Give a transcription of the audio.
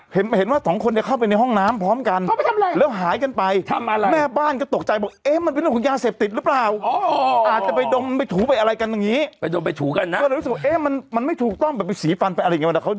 เห็นเห็นว่าสองคนเนี้ยเข้าไปในห้องน้ำพร้อมกันเขาไปทำอะไรแล้วหายกันไปทำอะไร